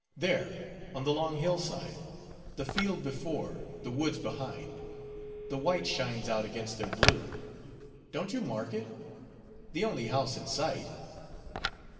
there, on the long hill side: the field before, the woods behind; the white shines out against their blue; don't you mark it? the only house in sight."